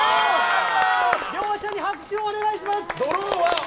両者に拍手をお願いします！